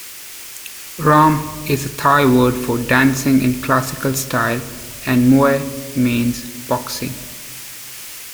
"Ram" is the Thai word for dancing in classical style, and "muay" means boxing.